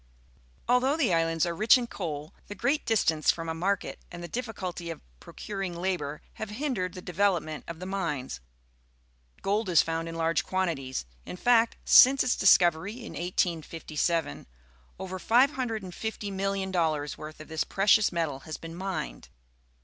Although the islands are rich in coal, the great distance from a market and the difficul ty of procuring labour have hindered the development of the mines. Gold is found in large quantities; in fact, since its discovery in 1857, over $550,000,000 worth of this precious metal has been mined.